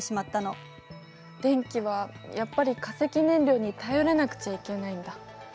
電気はやっぱり化石燃料に頼らなくちゃいけないんだ。